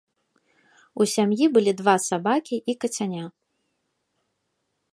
У сям'і былі два сабакі і кацяня.